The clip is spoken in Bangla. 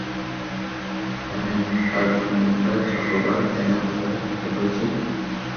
জানেন তার জন্য একটা চকোবার কেনা কতটা কষ্ট করেছি?